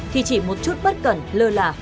thì chỉ một chút bất cẩn lơ là